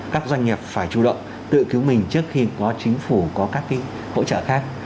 các doanh nghiệp phải chủ động tự cứu mình trước khi có chính phủ có các hỗ trợ khác